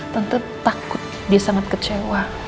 tentu takut dia sangat kecewa